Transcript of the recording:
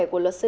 của luật sư